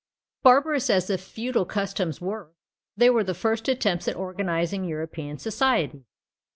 Barbarous as the feudal customs were, they were the first attempts at organising European society.